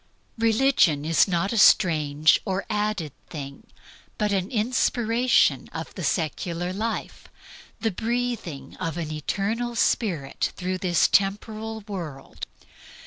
Religion is not a strange or added thing, but the inspiration of the secular life, the breathing of an eternal spirit through this temporal world.